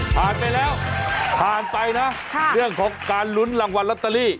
ผ่านไปแล้วผ่านไปนะเรื่องของการลุ้นรางวัลลอตเตอรี่